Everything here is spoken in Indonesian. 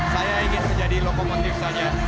saya ingin menjadi lokomotif saja